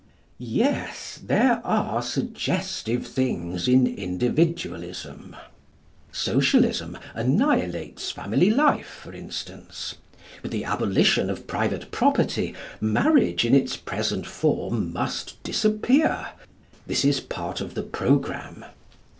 Yes; there are suggestive things in Individualism. Socialism annihilates family life, for instance. With the abolition of private property, marriage in its present form must disappear. This is part of the programme.